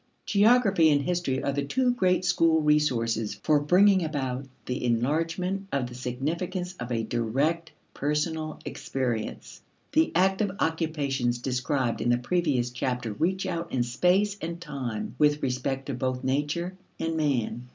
Geography and history are the two great school resources for bringing about the enlargement of the significance of a direct personal experience. The active occupations described in the previous chapter reach out in space and time with respect to both nature and man.